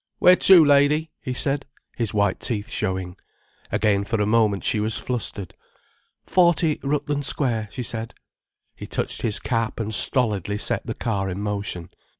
"Where to, lady?" he said, his white teeth showing. Again for a moment she was flustered. "Forty, Rutland Square," she said. He touched his cap and stolidly set the car in motion.